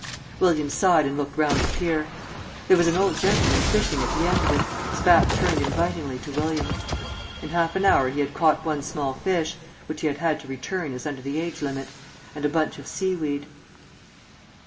William sighed and looked round the pier. There was an old gentleman fishing at the end of it, his back turned invitingly to William. In half an hour he had caught one small fish (which he had had to return as under the age limit) and a bunch of seaweed.